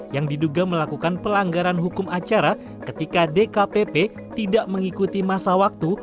yang diduga melakukan pelanggaran hukum acara ketika dkpp tidak mengikuti masa waktu